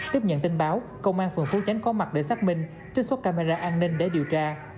tiếp nhận tin báo công an phường phú chánh có mặt để xác minh trích xuất camera an ninh để điều tra